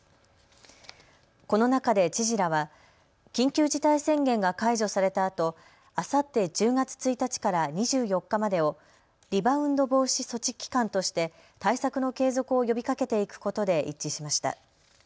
この中で知事らは緊急事態宣言が解除されたあとあさって１０月１日から２４日までをリバウンド防止措置期間として対策の継続を呼びかけていくことで一致しました。